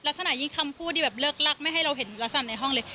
ลักษณะยิ่งคำพูดที่แบบเลิกลักไม่ให้เราเห็นลักษณะในห้องเลย